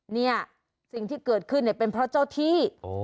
เนี่ยสิ่งที่เกิดขึ้นเนี่ยเป็นเพราะเจ้าที่